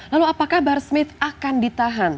lalu apakah bahar smith akan ditahan